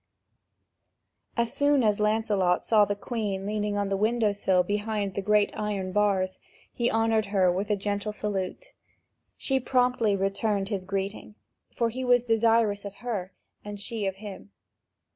As soon as Lancelot saw the Queen leaning on the window sill behind the great iron bars, he honoured her with a gentle salute. She promptly returned his greeting, for he was desirous of her, and she of him.